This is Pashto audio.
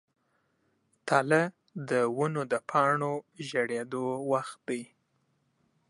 تله د ونو د پاڼو ژیړیدو وخت دی.